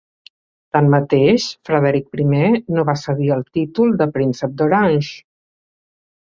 Tanmateix, Frederick I no va cedir el títol de Príncep d'Orange.